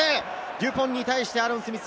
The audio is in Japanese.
デュポンに対してアーロン・スミス、